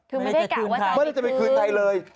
คือไม่ได้กลับว่าเธอจะไปคืนไทยเลย